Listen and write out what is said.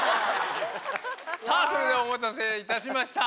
さぁそれではお待たせいたしました。